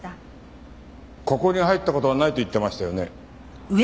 ここに入った事はないと言ってましたよね？